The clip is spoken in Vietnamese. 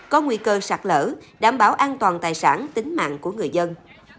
có nguy cơ sạt lở đảm bảo an toàn tài sản tính mạng của người dân